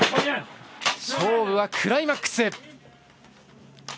勝負はクライマックス。